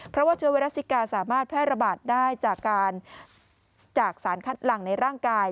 เพราะว่าเชื้อไวรัสซิกาสามารถแพร่ระบาดได้จากการจากสารคัดหลังในร่างกาย